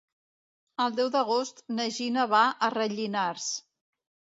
El deu d'agost na Gina va a Rellinars.